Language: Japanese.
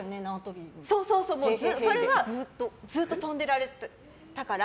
それはずっと跳んでられていたから。